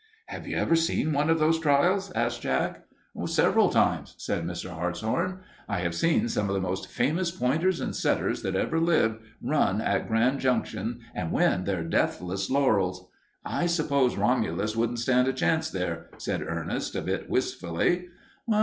"Have you ever seen one of those trials?" asked Jack. "Several times," said Mr. Hartshorn. "I have seen some of the most famous pointers and setters that ever lived run at Grand Junction and win their deathless laurels." "I suppose Romulus wouldn't stand a chance there," said Ernest, a bit wistfully.